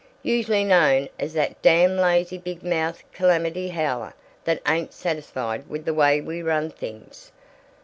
Usually known as 'that damn lazy big mouthed calamity howler that ain't satisfied with the way we run things.'